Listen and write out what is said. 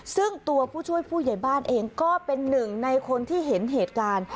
ซึ่งตัวผู้ช่วยผู้ใหญ่บ้านเองก็เป็นหนึ่งในคนที่เห็นเหตุการณ์